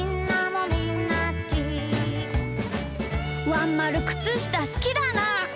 「ワンまるくつしたすきだなー。